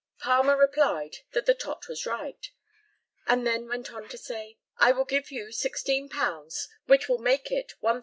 Palmer replied that the tot was right, and then went on to say, "I will give you £16, which will make it £1,000.